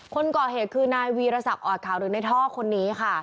คนก่อเหตุคือนายวีรสักออดคาวดึงในทอกคนนี้